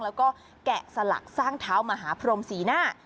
แล้วก็แกะสลักสร้างเท้ามหาพรมศรีหน้า